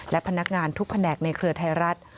และพนักงานทุกแผนกในเครือไทยรัฐ